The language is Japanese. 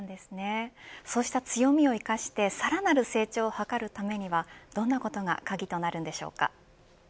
そうした強みを生かしてさらなる成長を図るためにはどんなことが鍵となるんでしょうか。